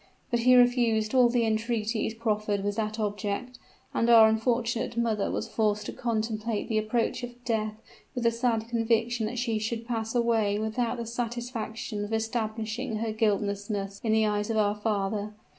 But he refused all the entreaties proffered with that object, and our unfortunate mother was forced to contemplate the approach of death with the sad conviction that she should pass away without the satisfaction of establishing her guiltlessness in the eyes of our father.